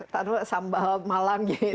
taduh sambal malangnya itu